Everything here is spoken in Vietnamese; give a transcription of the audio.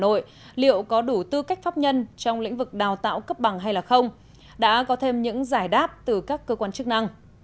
hà nội liệu có đủ tư cách pháp nhân trong lĩnh vực đào tạo cấp bằng hay là không đã có thêm những giải đáp từ các cơ quan chức năng